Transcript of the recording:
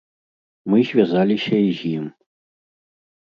Мы звязаліся і з ім.